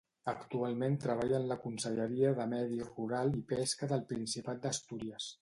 Actualment treballa en la Conselleria de Medi Rural i Pesca del Principat d'Astúries.